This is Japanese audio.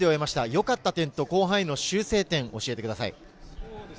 よかった点と後半への修正点を教えてください。